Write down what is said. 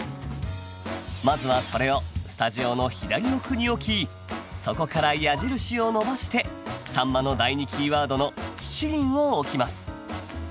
まずはそれをスタジオの左奥に置きそこから矢印を伸ばして秋刀魚の第２キーワードの「七輪」を置きます。